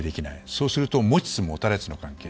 そうすると持ちつ持たれつの関係。